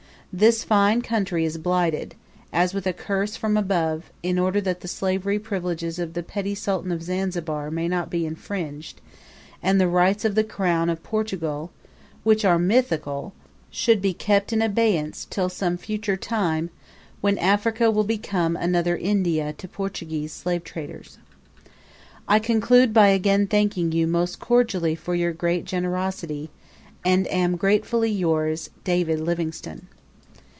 This fine country is blighted, as with a curse from above, in order that the slavery privileges of the petty Sultan of Zanzibar may not be infringed, and the rights of the Crown of Portugal, which are mythical, should be kept in abeyance till some future time when Africa will become another India to Portuguese slave traders. I conclude by again thanking you most cordially for your great generosity, and am, Gratefully yours, David Livingstone.